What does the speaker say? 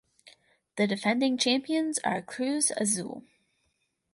The defending champions are Cruz Azul.